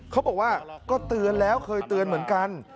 เขาบอกว่าก็เตือนแล้วเคยเตือนเหมือนกัน